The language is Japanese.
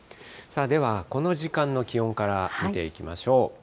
では、この時間の気温から見ていきましょう。